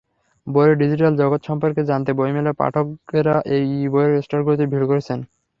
বইয়ের ডিজিটাল জগৎ সম্পর্কে জানতে বইমেলায় পাঠকেরা ই-বইয়ের স্টলগুলোতে ভিড় করছেন।